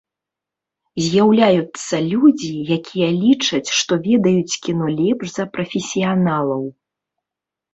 З'яўляюцца людзі, якія лічаць, што ведаюць кіно лепш за прафесіяналаў.